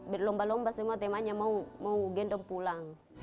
berlomba lomba semua temanya mau gendong pulang